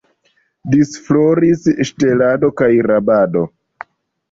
Disfloris ŝtelado kaj rabado.